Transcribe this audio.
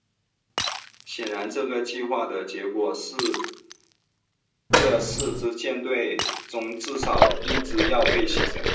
显然这个计划的结果是这四支舰队中至少一支要被牺牲。